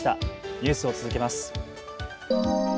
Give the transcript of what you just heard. ニュースを続けます。